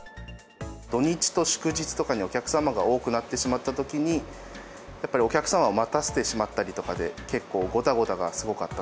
土日と祝日とかにお客様が多くなってしまったときに、やっぱり、お客様を待たせてしまったりとかで、結構ごたごたがすごかった。